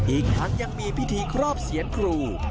อีกทั้งยังมีพิธีครอบเสียนครู